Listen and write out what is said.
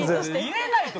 入れないと！